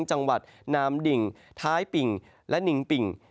จังหวัดนามดิ่งท้ายปิ่งและนิงปิ่ง